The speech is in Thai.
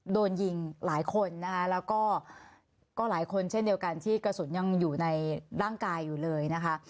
โดนยิงหลายคนนะคะแล้วก็หลายคนเช่นเดียวกันที่กระสุนยังอยู่ในร่างกายอยู่เลยนะคะ